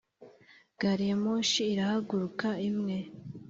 gari ya moshi irahaguruka imwe!